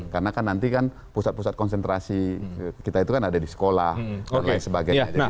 karena kan nanti kan pusat pusat konsentrasi kita itu kan ada di sekolah dan lain sebagainya